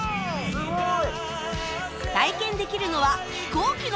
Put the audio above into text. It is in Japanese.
すごい！」